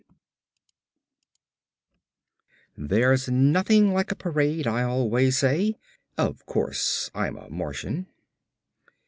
L. VANDENBURG _There's nothing like a parade, I always say. Of course, I'm a Martian.